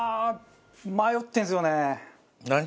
迷ってるんですよね。